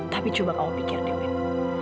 tapi coba kamu pikir deh win